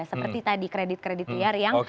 seperti tadi kredit kredit liar yang